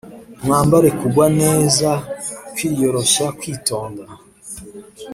Mwambare kugwa neza kwiyoroshya kwitonda